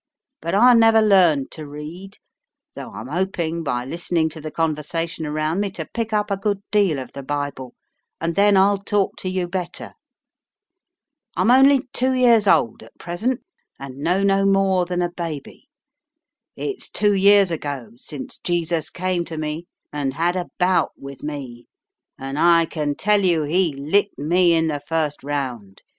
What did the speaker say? But I never learnt to read, though I'm hoping by listening to the conversation around me to pick up a good deal of the Bible, and then I'll talk to you better. I'm only two years old at present, and know no more than a baby. It's two years ago since Jesus came to me and had a bout with me, and I can tell you He licked me in the first round.